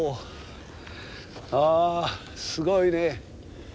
あすごいね。